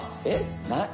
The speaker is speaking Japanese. えっ？